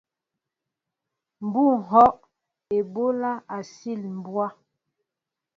Bŭ ŋhɔʼ eɓólá á sil mbwá.